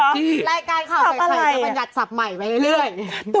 รายการข่าวใส่ไผ่มันอยากสับใหม่ไปเรื่อย